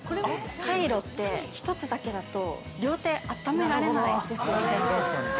◆カイロって、１つだけだと両手、あっためられないですよね。